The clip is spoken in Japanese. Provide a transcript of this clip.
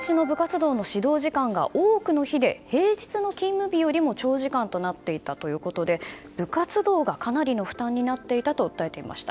遺族側は土日の部活動の指導時間が多くの日で平日の勤務日よりも長時間となっていたということで部活動がかなりの負担になっていたと訴えていました。